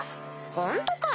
ホントかよ。